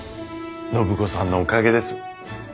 暢子さんのおかげです。